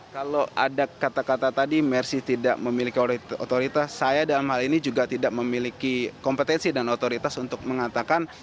kalau ada kata kata tadi mersi tidak memiliki otoritas saya dalam hal ini juga tidak memiliki kompetensi dan otoritas untuk mengatakan